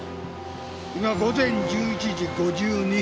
今午前１１時５２分。